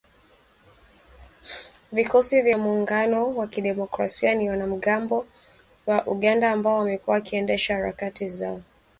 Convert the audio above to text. Vikosi vya Muungano wa Kidemokrasia ni wanamgambo wa Uganda ambao wamekuwa wakiendesha harakati zao mashariki mwa Kongo.